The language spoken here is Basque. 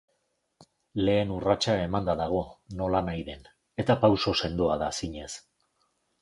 Lehen urratsa emanda dago, nolanahi den, eta pauso sendoa da zinez.